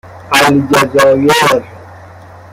الجزایر